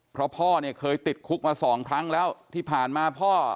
เพราะพ่อเนี่ยเคยติดคุกมาสองครั้งแล้วที่ผ่านมาพ่อ